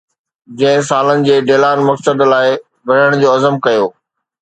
ڇهن سالن جي ڊيلان مقصد لاءِ وڙهڻ جو عزم ڪيو.